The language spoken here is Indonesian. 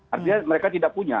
artinya mereka tidak punya